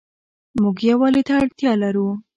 موږ يووالي ته اړتيا لرو